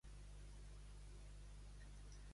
Damastes és un personatge històric?